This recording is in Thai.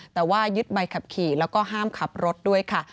แต่ว่ายึดใบขับขี่แล้วก็ห้ามขับรถด้วยค่ะ